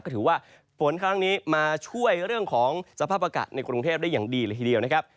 ก็ถือว่าฝนครั้งนี้มาช่วยเรื่องของสภาพอากาศในกรุงเทพได้อย่างดีเลยทีเดียวนะครับ